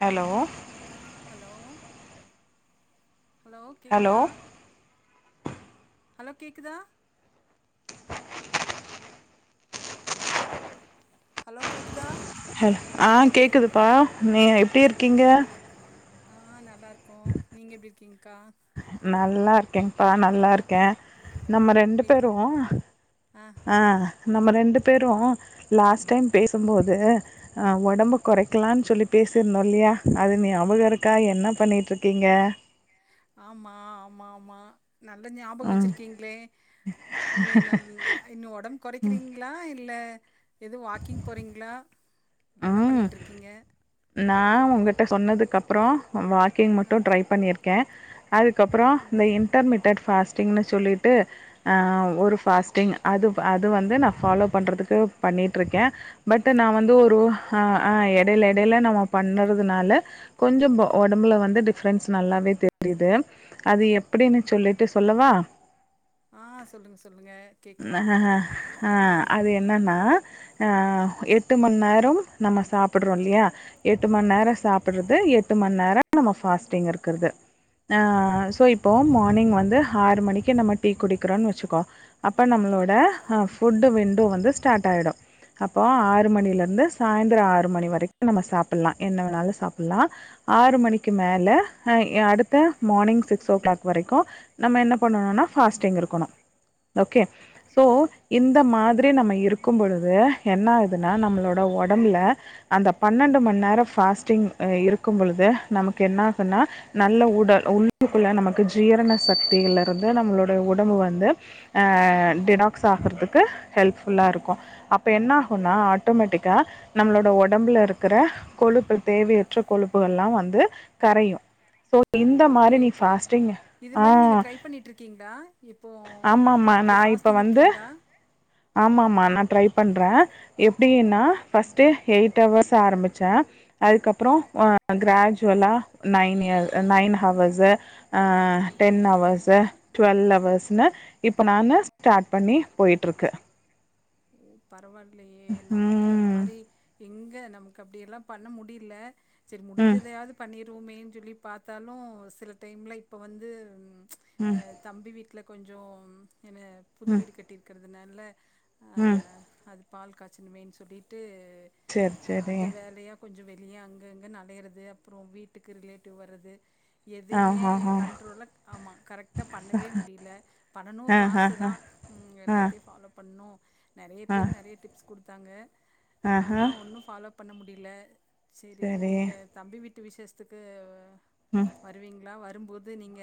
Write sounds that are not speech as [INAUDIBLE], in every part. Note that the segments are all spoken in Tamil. ஹலோ ஹலோ ஹலோ ஹலோ கேக்குதா ஹலோ கேக்குதா ஹலோ கேக்குதா ஹ ஆஹ கேக்குதுப்பா நீங்க எப்படி இருக்கீங்க ஆஹ நல்லா இருக்கோம் நீங்க எப்படி இருக்கீங்க்கா நல்லா இருக்கேங்கப்பா நல்லா இருக்கேன் ஆ நம்ம ரெண்டு வீட்ல பேரும் ஆ ஆஹ நம்ம ரெண்டு பேரும் லாஸ்ட் டைம் பேசும்போதுஹ உடம்பு குறைக்கலாம்னு சொல்லி பேசிருந்தோம் இல்லையா அது ஞாபகம் இருக்கா என்ன பண்ணிட்டு இருக்கீங்க ஆமா ஆமா ஆமா நல்ல ஞாபகம் ம் வச்சிருக்கீங்களே நீங்க நல் இன்னும் உடம்பு குறைக்கிறீங்களா இல்ல எது வாக்கிங் போறீங்களா என்ன ம் பண்ணிட்டு இருக்கீங்க நா உங்கிட்ட சொன்னதுக்கப்றோ ம் வாக்கிங் ஆ மட்டு ட்ரை பண்ணியிருக் க்கே அதுக்கப்றோ ம் இந்த இன்டர்மீட் தட் ஃபாஸ்டிங்னு சொல்லிட்டு ஆ ஒரு ஃபாஸ்டிங் அது அது வந்து நான் ஃபாலோ பண்றதுக்கு பண்ணிட்ருக்கே பட் நா வந்து அப்டியா ஒ ஆஹ் ஆஹ் இடையில இடையில நம்ம பண்றதுனால கொஞ்சம் உடம்புல வந்து டிஃப்ரன்ஸ் நல்லாவே தெரியிது அது எப்படின்னு சொல்லிட்டு சொல்லவா ஆ சொல்லுங்க சொல்லுங்க கேக்கலாம் அஹ்ஹஹ ஆ ஆ ஆஹ் அது என்னன்னா ஆஹ் எட்டு மணி நேரம் நம்ம சாப்படுறோம் இல்லையா எட்டு மணி ஓகே நேரம் சாப்பிடராத எ பத்து மண் நேரோ நம்ம ஃபாஸ்டிங் இருக்குறது ஆஹ் சோ இப்போ மார்னிங் வந்து ஆறு மணிக்கு நம்ம டீ குடிக்கிறோன்னு வச்சுக்கோ அப்ப ஓகே நம்மளோட ஆஃப் ஃபுட்டு விண்டோ வந்து ஸ்டார்ட் ஆகிடு அப்போ ஆறு மணிலேருந்து சாயந்தர ஆறு மணி வரைக்கு நம்ம சாப்பிட்லா என்ன வேண்ணாலு சாப்பிட்லா ஆறு மணிக்கு மேலே ஆ ய அடுத்த மார்னிங் சிக்ஸ் ஓ கிளாக் வரைக்கு நம்ம என்ன பண்ணணுன்னா ஃபாஸ்ட்டிங் இருக்கணு ஓகே சோ ஓகே இந்த மாதிரி நம்ம இருக்கும் பொழுது என்ன ஆகுதுனா நம்மளோட ஓ ஒடம்புல அந்த பன்னெண்டு மணி நேர ஃபாஸ்டிங் அ இருக்கும் பொழுது நமக்கு என்ன ஆகுன்னா நல்ல உடல் உள்ளுக்குள்ள நமக்கு ஜீரண சக்தியில இருந்து நம்மளுடைய உடம்பு வந்து ஆ டிடாக்ஸ் ஆகறதுக்கு ஹெல்ப்ஃபுல்லா இருக்கும் அப்போ என்ன ஆகும்னா ஆட்டோமேட்டிக்கா நம்மளோட ஒடம்புல இருக்கற கொழுப்பு தேவையற்ற கொழுப்புகள்லா வந்து கரையும் சோ இந்த ஓகே மாரி நீ ஓகே பாாஸ்டிங் இது மாரி நீங்க ஆஹ் ட்ரை பண்ணிட்டுருக்கீங்களா இப்போ ஆமாமா அப்படி நா இப்ப ஃபாஸ்டிங் வந்து இருக்கீங்களா ஆமாமா நா ட்ரை பண்றே எப்டின்னா ஃபர்ஸ்ட்டு எயிட் ஹவர்ஸ் ஆரம்பிச்சே அதுக்கப்றோ ஆ கிராஜுவலா நைன் இய நைன் ஹவர்ஸு ஆ டென் ஹவர்ஸு டுவெல்வ் ஹவர்ஸ் ன்னு இப்ப நானு ஸ்டார்ட் பண்ணி போய்ட்ருக்கு பரவால் இல்லையே நமக்கு அந்த ம் மாரி எங்க நமக் அப்படி எல்லாம் பண்ண முடியல சரி ம் முடிஞ்சதையாவது பண்ணி ரூமேன்னு சொல்லி பார்த்தாலும் சில டைமில் இப்போ வந்து ம் அஹ் தம்பி வீட்டு இதில கொஞ்சம் என்ன புது வீடு கட்டியிருக்கிறது நல்ல உஹம் அது பால் காய்ச்சமேன்னு சொல்லிட்டு சரி சரி கொஞ்சம் வெளியே அங்கே இங்கனு அலையுதது அப்புறம் வீட்டுக்கு ரிலேட்டிவ் வரது ஆ எதையுமே ஹா ஹா கண்ட்ரோல்ல ஆமா கரெக்டாக பண்ணவே முடியல ஆ பண்ணணுன்ற ஹா ஹா ஆசதா ம் ஆ எல்லாத்தையு ஃபாலோ பண்ணணு நிறைய ஆ பேரு நிறைய டிப்ஸ் கொடுத்தாங்க ஆ ஹா ஆனா ஒன்னும் ஃபாலோப் பண்ண முடியல சரி சேரி நீங்க தம்பி விட்டு வீட்டு விசேஷத்துக்கு ம் வருவீங்களா வ வரும்போது நீங்க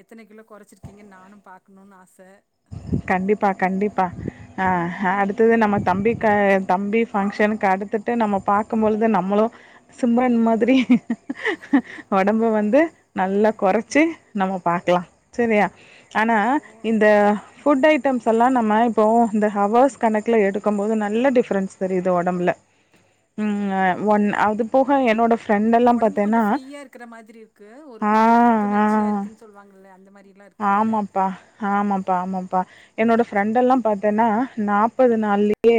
எத்தனை கிலோ குறைச்சிருக்கீங்க நானும் பாக்கணும்னு ஆசை கண்டிப்பா கண்டிப்பா ஆஹ் அடுத்தது நம்ம தம்பி தம்பி ஃபங்க்ஷனுக்கு அடுத்துட்டு நம்ம பார்க்கும்போழுது நம்மளும் சிரன் மாதிரி உடம்பு வந்து நல்லா குறைச்சு நம்ம பாக்கலாம் சரியா ஆனா ஓ இந்த சிம்ப்டம்ஸ் எல்லாம் நம்ம இப்போ இந்த ஹஸ் கணக்கல எடுக்கும் போது நல்ல டிஃபரென்ஸ் தெரியுது உடம்புல ஃப்ரெண்ட் எல்லாம் உடம்பு பாத்தேன்னா கொஞ்சம் ஃப்ரீயா இருக்கிற மாதிரி இருக்கு ஒரு ஆ கொஞ்சம் புத்துணர்ச்சியா ஆ இருக்குன்னு சொல்லுவாங்க அந்த மாதிரி ஆமாப்பா ஆமாப்பா ஆமாப்பா என்னோடய ஃப்ரெண்டெல்லாம் பார்த்தேன்னா நாற்பது நாள்லயே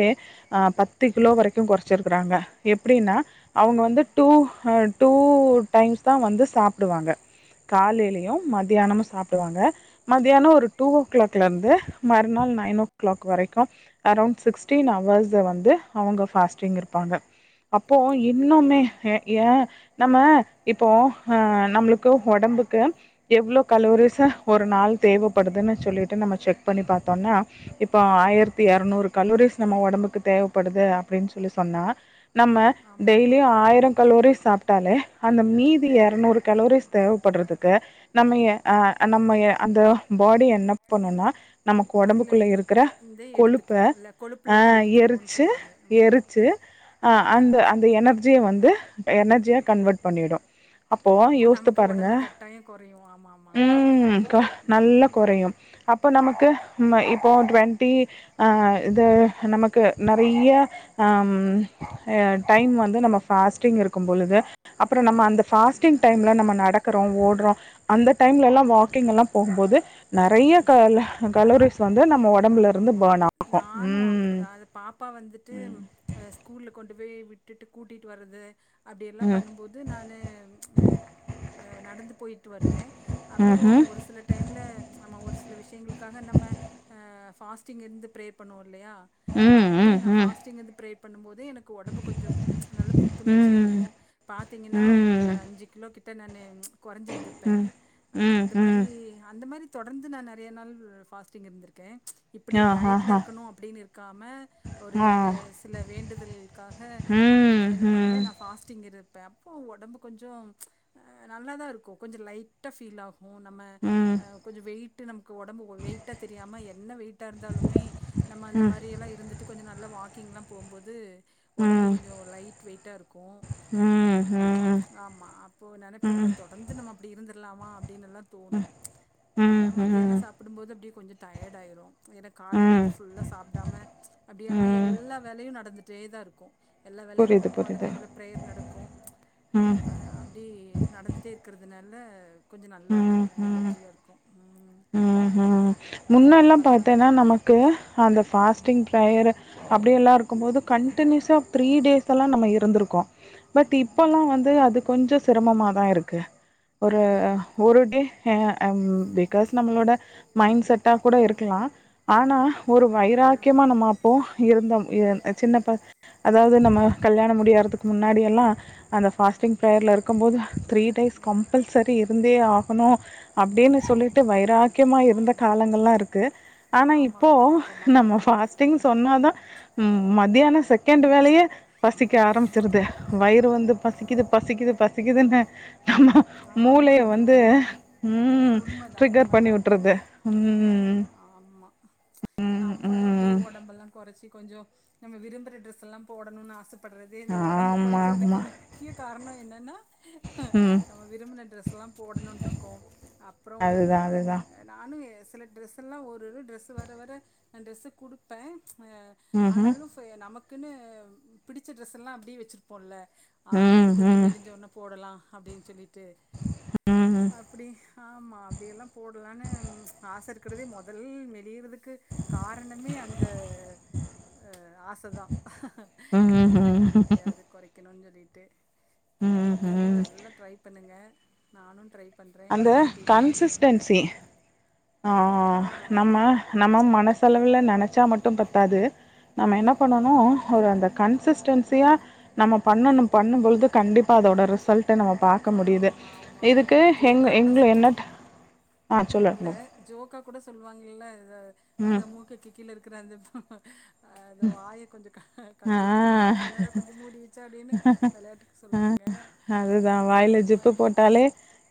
பத்து கிலோ வரைக்கும் குறைச்சிருக்குறாங்க எப்படின்னா அவங்க வந்து டூ டூ டைம்ஸ் தான் வந்து சாப்பிடுவாங்க ஓ காலையிலையும் மதியானம் சாப்பிட வாங்க ம் மத்தியானம் ஒரு டூ ஓ கிளாக்ல இருந்து மறுநாள் நைன் ஓ கிளாக் வரைக்கும் அரௌண்ட் சிக்ஸ்ட்டீன் ஹவர்ஸை வந்து அவங்க ஃபாஸ்ட்டிங் இருப்பாங்க அப்போ அப்டியா இன்னுமே ஏன் நம்ம இப்போ நம்மளுக்கு உடம்புக்கு எவ்வளோ கலோரிஸ் ச ஒரு நாள் தேவைப்படுதுன்னு சொல்லிட்டு நம்ம செக் பண்ணி பார்த்தோம்னா இப்போ ஆயிரத்தி இறநூறு கல்லூரிஸ் நம்ம உடம்புக்கு தேவைப்படுது அப்படின்னு சொல்லி சொன்னா நம்ம ஆமா ஆமா டெய்லியும் ம் ஆயிரம் கல்லோரி சாப்பிட்டாலே அந்த மீதியை முன்நூறு கலோரிஸ் தேவைப்படுறதுக்கு நம்ம நம்ம அந்த பாடி என்ன பண்ணும்னா நமக்கு அதுல உடம்புக்குள்ளே இருக்கிற இருந்தே எடுத்துக்கு கொழுப்பை இல்ல கொழுப்புல இருந்து எடுத்துக்கோன்னு எரிச்சி சொல்லுவாங்க ம் எரிச்சி அந்த அந்த எனர்ஜியை வந்து எனர்ஜியா கன்வெர்ட் பண்ணிடும் அப்போ யோசித்து நமக்கு பாருங்க உடம்பு கட்டாயம் குறையும் ஆமா ஆமா ஆமா ம் நல்ல ம் குறையும் அப் இப்போ நமக்கு இப்போது ட்வெண்ட்டி இது நமக்கு நெறைய டைம் வந்து நம்ம பாஸ்ட்டிங் இருக்கும் பொழுது அப்பறம் நம்ம அந்த பாஸ்டிங் டைமில் நம்ம நடக்கிறோம் ஓடுறோம் அந்த டைம்ல எல்லாம் வாக்கிங் எல்லாம் போகும்போது நெறைய கலோரிஸ் வந்து நம்ம ஒடம்புல இருந்து ஆமாமமா பர்ன் ஆகு நானும் ம் அப்டிதான் அத பாப்பா வந்துட்டு் ம் ஸ்கூல்ல கொண்டு போய் விட்டு விட்டுட்டு கூட்டிட்டு வந்து அப்டியெல்லாம் ம் பண்ணும்போது நானு நடந்து போயிட்டு வருவேன் ம்ஹும் அப்வும் ஒரு சில டைம்ல நம்ம ஒரு சில விஷயங்களுக்காக நம்ம பாஸ்டிங் இருந்து பிரே பண்ணுவோம் இல்லயா ம் அப்டி ம் நான் பாஸ்டிங் வந்து பிரே பண்ணபோது எனக்கு உடம்பு கொஞ்சம் நல்ல புத்துணர்ச்சியா ம் இருக்கும் ம் பாத்தீங்கன்னா ஒரு ம் அஞ்சு கிலோ கிட்ட தனான [INAUDIBLE] குறைஞ்சிருந்திருப்பேன் ம் ம் அந்த மாரி ம் அந்த மாரி தொடர்ந்து நான் நெறைய நாள் பாஸ்டிங் இருந்திருக்கேன் க இப்டி ஆ ஹா டயடில் ஹா இருக்கணும் அப்டின்னு இருக்காம ஒரு ஆ சில வேண்டுதல்களுக்காக ம் ம் என்ன பண்ணுவேன் நான் ம் பாஸ்ட்டிங் இரு ப்ப அப்போ உடம்பு கொஞ்சம் நல்லாதான் இருக்கும் கொஞ்சம் லைட்டாக பீல் ஆகும் நம்ம ம் கொஞ்சம் வெயிட் நமக்கு உடம்பு வெயிட்டா தெரியாமல் என்ன வெயிட் னஇருந்தாலுமே நம்ம அந்த ம் மாரி எல்லாம் இருந்துட்டு கொஞ்சம் நல்லா வா க்கிங்லாம் போகும்போது ம் உடம்பு ம் கொஞ்சம் லைட் வெயிட்டா இருக்கும் ம் ஆமா அப்போ நினப்பு தொடர்ந்து நம்ம அப்டி இருந்த இருக்கலாமா ல்ல தோணும் ம் நம் மத்தியானம் ம் சாப்படும்போது அப்டி கொஞ்சம் த ஏழாயிரம் ஏன்னா காலையில ம் இருந்து புல்லா சாப்படாம அப்டியனா ம் எல்லா வேலயும் நடந்துட்டு ரேதாக இருக்கும் எல்லா வேலயும் புரியுது நடக்கும் அந்த புரியுது டைம்ல பிரேயர் நடக்கும் ம் அப்டி நடந்துட்டே இருக்கிறது நா [INAUDIBLE] கொஞ்சம் நல்லாயிருக்கும் எனர்ஜியாக இருக்கும் உஹம் உஹம் பரவால்ல முன்னெல்லாம் பரவால்ல பாத்தேன்னா நமக்கு அந்த பாஸ்ட் எல்லாம் இருக்கும்பது காண்டியூஸ் த்திரி டேஸ் டேல்லாம் நம்ம இருந்திருக்கோம் பட் ம் இப்பல்லாம் வந்து அது கொஞ்சம் சிரமம தான் இருக்கு ஒரு ம் ஒரு டே அம் உன்னோட மைண்ட் செட்டா கூட இருக்கலாம் ஆனா ஒரு வைராக்கியமாக நம்ம அப்போ இருந்தோம் சின்ன ப அதாவது நம்ம கல்யாணம் முடியதுக்கு முன்னாடிஎல்லாம் அந்த ஆ ஃபாஸ்டிங் ப்பிரெயர் இருக்கும்போது த்ரீ டேஸ் கம்பல் செரி இருந்தே ஆகணும் அப்டின்னு சொல்லிட்டு வைராக்கியமா இருந்த காலங்கள்லாம் இருக்கு இருக்கு ஆனா ஆமா இப்போ ஆமா நெஜமா ஆ நம்ம பாஸ்டிங் சொன்னாதான் மதியான செட் கண்ட வெலய பசிக்க ஆரம்பிச்சிருது வயிறு வந்து பசிக்குது பசிக்குது பசிக்குதுன்ன நம்ம ஆமா மூளைய அது வந்து ஒரு ஊம் உண்மதா டிகர் பண்ணி உண்மதா விட்டுறது உண்மதா ம் ம் நம்மளும் அப்டி ம் உடம்ப எல்லாம் குறைச்சி கொஞ்சம் நம்ம விரும்புற டிரெஸ்ல்லாம் போடணும்னு ஆச கஸ்டபடுறது இந்த உடம்பு ஆமாம் குறைக்கிறதுக்கு ஆமாம் முக்கிய காரணம் என்னன்னா ம் நம்ம விரும்பின டிரெஸ் எல்லாம் போடணும்ணு இருக்கோ அப்புறம் அதுதான் அதுதான் நானும் ஏ சில ட்ரெஸ்ல்லாம் ஒரு ஒரு டிரரெஸ் வர வர ந ட்ரெஸ்ஸ குடுப்பேன் மீச் ம்ஹூம் ஆனாலும் ஃப்ஐ நமக்கு அதுக்குன்னு பிடிச்ச டிரரெஸ்ல்லாம் அப்படியே வச்சிருப்போம்ல ஆ ம் இது கொஞ்சம் ம் மெலிஞ்ச ஒன்ன போடலாம் [UNINTELLIGIBLE] ம் [UNINTELLIGIBLE] அப்டி ஆமாம் அப்படியெல்லாம் போடலனு ஆசை இருக்கிறதே முதல் நெளியிறதுக்கு காரணமே அந்த ஆசை தான் டயட் ம்ஹூம் இருந்து எடியாது குறைக்கணும்னு சொல்லிட்டு [UNINTELLIGIBLE] சேரி நீங்களும் ம்ஹூம் எல்லாம் ட்ரை பண்ணி பாத்துக்கங்க நானும் ட்ரைப் அந்த கன்சிஸ்டன்சி ஆ ஆ நம்ம நம்ம மனசல நினைச்சா மட்டும் பத்தாது நம்ம என்ன பண்ணும் அந்த கன்ஸடன்சியா நம்ம பண்ணும் பண்ணும் போழுது கண்டிப்பா அதோட ரிசல்ட் நம்ம பார்க்க முடியுது ஆமா ஆமா ஆமா இதுக்கு எங்க ஜோக்கா கூட என்ன ஆ சொல்லு இல்ல ஜோகா கூட சொல்லுவாங்கல்ல ம் அதன் மூக்குக்கு கீழே இருக்குற வந்துப்ப அதோ வாய கொஞ்சம் கண்ட்ரோல் பண்ணனது கிணர ஆ கொஞ்சம் மூடிவிச்சு அப்டின்னு விளையாட்டுக்கு சொல்லுவாங்க அதுதா வாயில அந்த ஜிப்பு மாரி போட்டாலே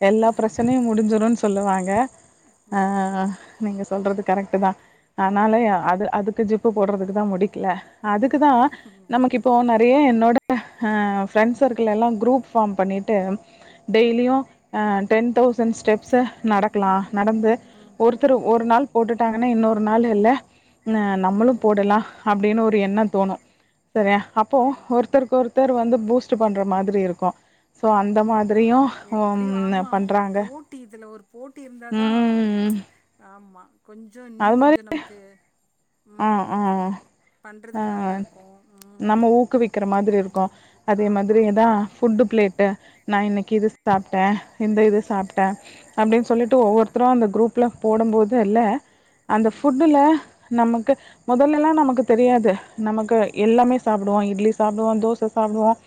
எல்லா பிரச்சனையு முடிஞ்சிருன்னு சொல்லுவாங்க ஆ ஆமா நீங்க சொல்றது கரெக்ட் தான் ஆனாலே அது அதுக்கு ஜிப்பு போடுறதுக்கு தான் முடிக்கல அதுக்குதான் நமக்கு இப்போ நெறைய அப்படியே என்னோடய ஃப்ரெண்ட் சர்க்கிள் எல்லாம் குரூப் ஃபாம் பண்ணியிட்டு ஓ டெய்லியும் ஆ டென் தௌசண்ட் ஸ்டெப்ஸ்சு நடக்கலாம் நடந்து ம் ஒருத்தர் ஒரு நாள் போட்டுட்டாங்கன்னா இன்னொரு நாள் இல்ல ஓ நம்மளும் போடலாம் அப்படின்னு ஒரு எண்ணம் தோணும் சரிய அப்போ ஆமா ஆமா ஒருத்தருக்கு ஒருத்தர் வந்து பூஸ்ட் பண்ற மாதிரி இருக்கும் இப்போ அந்த மாதிரியும் ஆமா எப்டியு உம் ஆமா ஆமா ஒரு பண்றாங்க போட்டி இதுல ஒரு போட்டி இருந்தாதா ஆமா கொஞ்சம் இன்னும் கொஞ்சம் நமக்கு ம் ஆஹ் ஆஹ் பண்றதுக்கு ஆஹ் நல்லாருக்கு ம் நம்ம ஊக்குவிக்கிற மாதிரி இருக்கும் அதே ஆமா மாதிரி ஆமா தான் ஆமா ஃபுட்டு பிளேட்டு நான் இன்னைக்கு இது சாப்ட்டேன் இந்த இது சாப்ட்டேன் அப்படின்னு சொல்லிட்டு ஒவ்வொருத்தரா அந்த குரூப்ல போடும் போதுலஇல்லை அந்த ம் ஃபுட்டுல நமக்கு முதல்லல்லாம் நமக்கு தெரியாது நமக்கு எல்லாமே சாப்படுவோம் இட்லி சாப்பிடுவோம் தோசை சாப்பிடுவோம்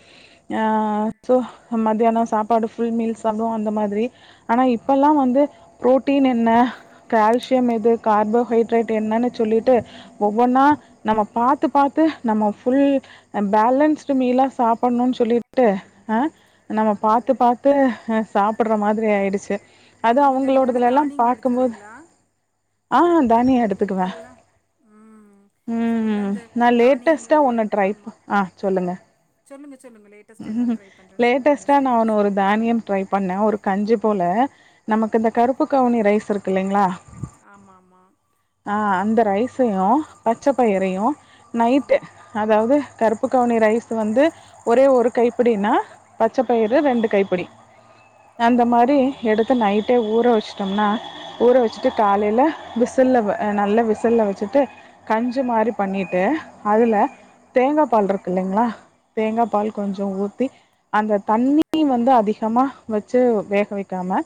ம் அஹ் போ என்ன மதியானம் சாப்பாடு புல் மீல்ஸ் அந்த மாரி ஆனா இப்பல்லாம் வந்து புரோட்டீன் என்ன கால்சியம் எது கார்போஹடரேட் என்ன சொல்லிட்டு ஒவ்வொன்னா நம்ம பாத்து-பாத்து நம்ம புல் பேலன்ஸ்டு மீலா சாப்பணும்ன்னு சொல்லிட்டு ஹ நம்ம ஓ பாத்து-பாத்து சாப்பட்ற மாதிரி ஆயிடுச்சு அது ஆமா நீங்க அதனால அவுங்களோடதுல எல்லாம் தானியங்கள் பாக்கும்போது எடுத்துக்குவீங்களா அ ஹாஹ தானியோ அதனால எடுத்துக்குவேன் இப்பல்லா ம் ஃபுல்லா உம்ம் இந்த நா லேட்டஸ்ட்டா தானியங்கள்ல ஒண்ணு ட்ரைப் ஆமா ஹா சொல்லுங்க சொல்லுங்க சொல்லுங்க லேட்டஸ்ட்டா என்ன ஹஹம் ட்ரை பண்றேன்னு சொன்னீங்களே லேட்டஸ்டா நா சொல்லுங்க ஒன்னு ஒரு சொல்லுங்க தானியம் ட்ரை பண்ணேன் ஒரு கஞ்சி போல ட நமக்கு இந்த கருப்பு கவுனி ரைஸ் இருக்கு இல்லிங்களா ஆமா ஆமா ஹா ரைஸையும் பச்ச பயிரையும் நைட்டு ம் அதாவது கருப்பு கவுனி ரைஸ் வந்து ஒரே ஒரு கைப்பிடினா பச்சை பயிறு ம் ரெண்டு கைப்பிடி அந்த மாரி ஓ எடுத்து நைட் ஊ வச்ட்டோம்னா ஊற வச்சுட்டு காலையில் விசில நல்ல விச செல்ல வச்சுட்டு கஞ்சு மாதிரி பண்ணிட்டு அதுல தேங்கா பால் இருக்கு இல்லிங்ளா தேங்காய் பால் கொஞ்சம் ஆமா ஊத்தி அந்த தண்ணி வந்து அதிகமாக வச்சு வேக வைக்காம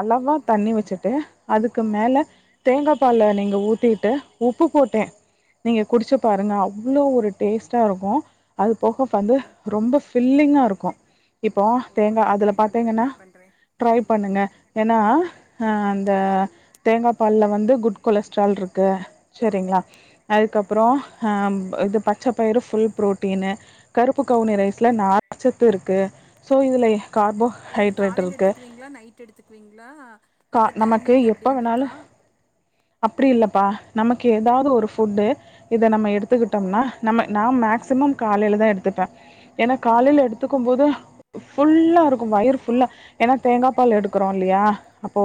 அளவாக தண்ணி வச்சுட்டு அதுக்கு மேலே தேங்கா பால் நீங்கள் ஊத்தீட்டு உப்பு போட்டே நீங்க குடிச்சு பாருங்க அவ்வளோ ஒரு டேஸ்டா இருக்கு அது போக வந்து அப்படியா ரொம்ப பில்லிங்கா இருக்கும் [UNINTELLIGIBLE] இப்போ ஓ தேங்கா நான் அதுல ட்ரை பண்றே பாத்தீங்கன்னா ட்ரை பண்றே ட்ரை ம் பண்ணுங்க ஏனா அந்த தேங்கா பாலில் வந்து குட் கொலஸ்ட்ரால் இருக்கு செரிங்களா அதுக்கப்பறம் இது பச்சை பயிறு புல் ப்ரோட்டீனு கருப்பு கவுனி ரைஸில் நார்சத்து இருக்கு சோ இதுல இது கார்போஹைட்ரேட் காலயில இருக்கு எடுத்துக்குவீங்களா நைட் எடுத்துக்குவீங்களா கா எந்த நமக்கு டைமிங் எப்போ அப்படினு இருக்கா வேணாலும் அப்டி இல்லப்பா நமக்கு ஏதாவது ஒரு ஃபுட் இதை நம்ம எடுத்துக்கிட்டோம்னா நம்ம நா மேக்சிமம் காலயில தான் எடுத்துப்பேன் ஏனா காலயில எடுத்துக்கும் போது புல்லா இருக்கும் வயிறு புல்லா ஏனா தேங்காய் பால் எடுக்கிறோ இல்லியா அப்போ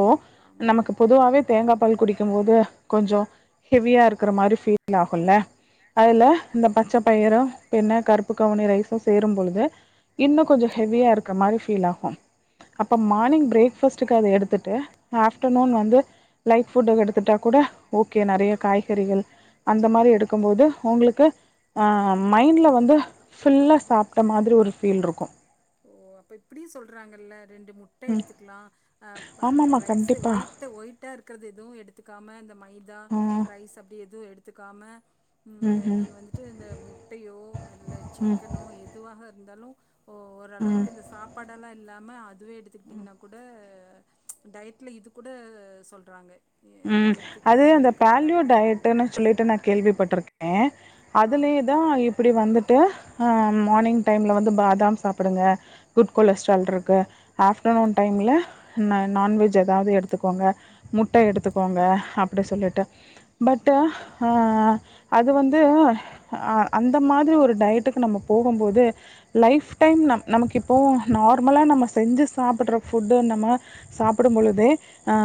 நமக்கு ஆமா பொதுவாவே தேங்கா பால் குடிக் போதும் கொஞ்ஜோம் ஹெவியா இருக்கிற மாரி ஃபீல் ஆகுல அதுல இந்த பச்சை பயிரு பின்ன கருப்பு கவுனி ரைசு சேரும்பொலுது இன்னு கொஞ்ஜோ ஹெவியா இருக்கிற மாரி ஃபீல் ஆகு அப்போ மார்னிங் பிரேக்ஃபாஸ்ட்டுக்கு அத எடுத்துட்டு ஆஃப்டநூன் வந்து லைட் ஃபுட்டு எடுத்துட்டா கூட ஓகே நா காய்கறிகள் அந்த மாரி எடுக்கும்போது உங்களுக்கு ஆ மைண்ட்ல வந்து ஃபுல்லா சாப்பிட்ட மாரி ஒரு பீல் இருக்கு ரெண்டு முட்டை எடுத்துக்கலா ஆ அத ஆமாமா ரைஸ் கண்டிப்பா ஒயிட்டு ஒயிட்டா இருக்கறது எத் எத்துக்காம இந்த ம மைதா ஆ ரைஸ் அப்டி எதும் எடுத் எத்துக்காம ம் நீங்க வந்துட்டு இந்த முட்டையோ இல்ல ம் சிக்கனோ எதுவாக இ இருந்தாலும் ஓ ம் ஓரளவுக்கு இந்த சாப்பாடெல்லா இல் இல்லாம அதுவே எடுத்துக்கிட்டீங்கன்னா கூட டயட்ல இது கூட சொல்றாங்க எ ம் இது அது எடுத்துக்கிட்டிங்கன்னா அந்த உங்களுக்கு பேல்யூ நல்லாருக்கும் அப்படின்னு. டயட்டுனு சொல்லிட்டு நா கேள்விப்பட்ருக்கே அ ஆ அதுலேயே தான் இப்டி வந்துட்டு ஹ மார்னிங் டைம்ல வந்து பாதாம் சாப்டுங்க குட் கொலஸ்ட்ரால் ம் இருக்கு ஆஃப் அஃப்டர்நூன் டைமில ந நான்வெஜ் எதாது எடுத்துக்கோங்க முட் முட்ட எடுத்துக்கோங்க அப்டி சொல்லிட்டு பட்டு ம். ஆ ஆ அது வந்து அந்த மாதிரி ஒரு டயட்டுக்கு நம்ம போகும்போது லைஃப் டைம் நம் நமக்கு இப்போ நார்மலா நம்ம செஞ்சி சாப்பிட்ற ஃபுட்டு நம்ம சாப்டும் பொழுது ஆ